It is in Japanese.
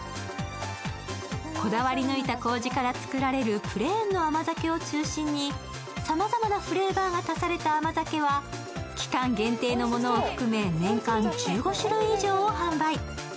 こだわり抜いたこうじから作られるプレーンの甘酒を中心にさまざまなフレーバーが足された甘酒は期間限定のものを含め、年間１５種類以上を販売。